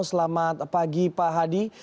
selamat pagi pak hadi